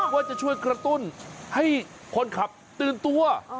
ว่าจะช่วยกระตุ้นให้คนขับตื่นตัว